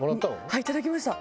はいいただきました。